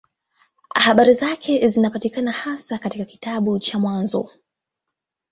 Habari zake zinapatikana hasa katika kitabu cha Mwanzo.